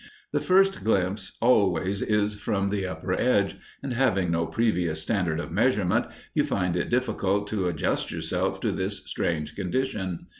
The first glimpse always is from the upper edge, and, having no previous standard of measurement, you find it difficult to adjust yourself to this strange condition.